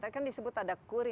karena kan disebut ada kur ini